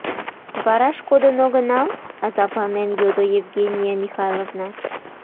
— Вараш кодын огынал? — азапланен йодо Евгения Михайловна.